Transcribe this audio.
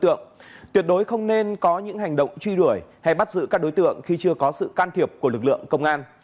tuyệt đối không nên có những hành động truy đuổi hay bắt giữ các đối tượng khi chưa có sự can thiệp của lực lượng công an